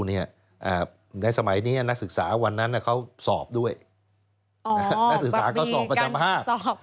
ในสมัยนี้นักศึกษาวันนั้นเขาสอบด้วยนักศึกษาเขาสอบประจำห้าสอบ